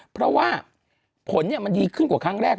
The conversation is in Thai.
เพราะว่าผลมันดีขึ้นกว่าครั้งแรก